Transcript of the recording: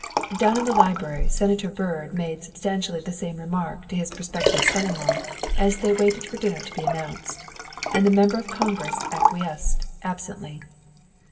Down in the library Senator Byrd made substan tially the same remark to his prospective son in law as they waited for dinner to be announced, and the Member of Congress acquiesced absently.